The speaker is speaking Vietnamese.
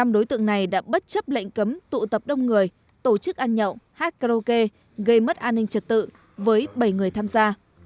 năm đối tượng này đã bất chấp lệnh cấm tụ tập đông người tổ chức ăn nhậu hát hát karaoke gây mất an ninh trật tự với bảy người tham gia